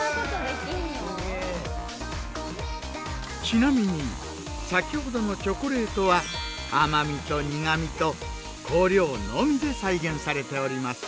ちなみに先ほどのチョコレートは甘味と苦味と香料のみで再現されております。